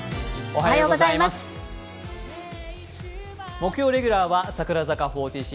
木曜レギュラーは櫻坂４６